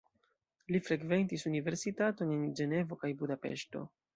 Li frekventis universitaton en Ĝenevo kaj Budapeŝto.